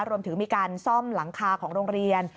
รวมถึงมีการซ่อมหลังคาของโรงเรียน